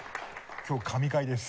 今日神回です。